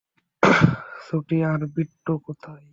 ছোটি আর বিট্টো কোথায়?